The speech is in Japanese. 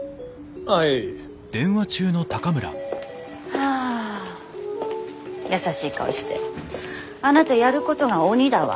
はあ優しい顔してあなたやることが鬼だわ。